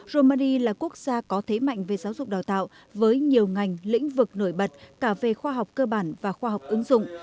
romani là quốc gia có thế mạnh về giáo dục đào tạo với nhiều ngành lĩnh vực nổi bật cả về khoa học cơ bản và khoa học ứng dụng